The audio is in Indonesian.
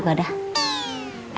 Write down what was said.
gagak tau gua ada